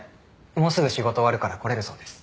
もうすぐ仕事終わるから来れるそうです。